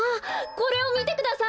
これをみてください！